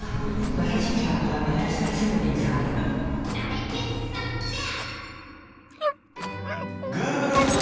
わたしにはわたしの「セオリー」がある大決算フェア